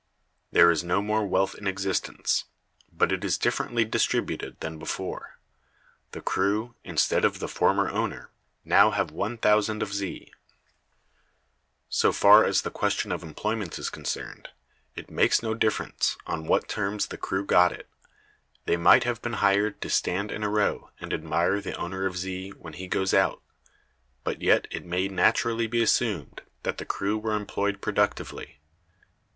There is no more wealth in existence, but it is differently distributed than before: the crew, instead of the former owner, now have 1,000 of Z. So far as the question of employment is concerned, it makes no difference on what terms the crew got it: they might have been hired to stand in a row and admire the owner of Z when he goes out. But yet it may naturally be assumed that the crew were employed productively.